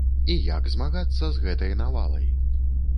І як змагацца з гэтай навалай.